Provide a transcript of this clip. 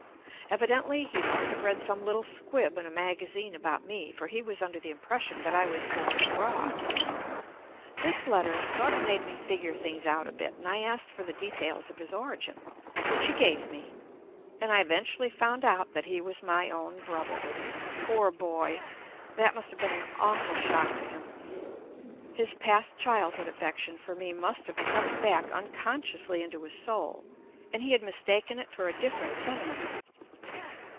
Evidently, he must have read some little squib in a magazine about me, for he was under the impression that I was born abroad. This letter sort of made me fig ure things out a bit and I asked for the details of his origin, which he gave me, and I even tually found out that he was my own brother. Poor boy! That must have been an awful shock to him. His past childhood affection for me must have crept back unconsciously into his soul and he had mistaken it for a different sen timent.